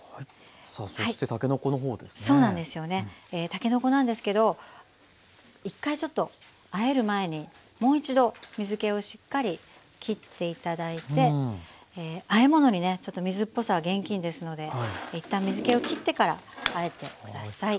たけのこなんですけど一回ちょっとあえる前にもう一度水けをしっかりきって頂いてあえ物にね水っぽさは厳禁ですので一旦水けをきってからあえてください。